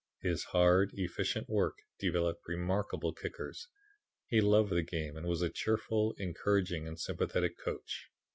His hard, efficient work developed remarkable kickers. He loved the game and was a cheerful, encouraging and sympathetic coach.